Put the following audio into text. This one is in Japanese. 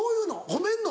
褒めんの？